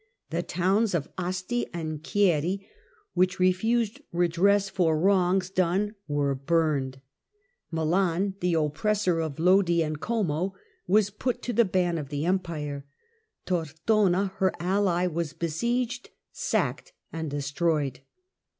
The towns of Asti and Chieri, which refused redress for wrongs done, were burned; Milan, the oppressor of Lodi and Como, was put to the ban of the Empire; Tortona, her ally, was besieged, sacked and destroyed.